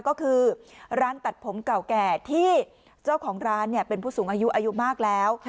ก็คือร้านตัดผมเก่าแก่ที่เจ้าของร้านเป็นผู้สูงอายุอายุมากแล้ว